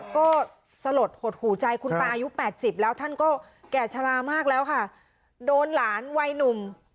ก็สลดหดหูใจคุณตาอายุ๘๐แล้วท่านก็แก่ชะลามากแล้วค่ะโดนหลานวัยหนุ่ม